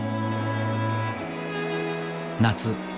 夏。